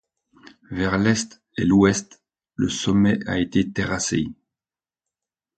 Vers l'est et l'ouest, le sommet a été terrassé.